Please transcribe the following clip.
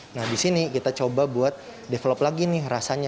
nah di sini kita coba buat develop lagi nih rasanya